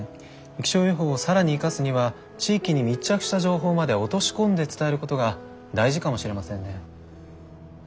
気象予報を更に生かすには地域に密着した情報まで落とし込んで伝えることが大事かもしれませんね。